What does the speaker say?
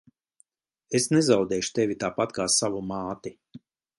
Es nezaudēšu tevi tāpat kā savu māti.